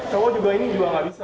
kalau perempuan ini juga gak bisa